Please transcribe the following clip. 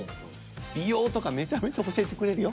美容とかめちゃめちゃ教えてくれるよ。